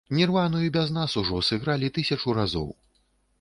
Нірвану і без нас ужо сыгралі тысячу разоў.